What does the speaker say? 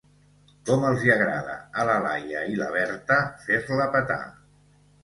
Com els hi agrada a la Laia i la Berta fer-la petar.